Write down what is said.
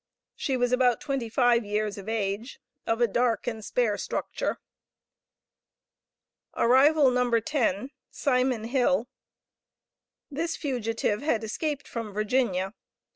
She was about twenty five years of age, of a dark, and spare structure. Arrival No. 10. Simon Hill. This fugitive had escaped from Virginia.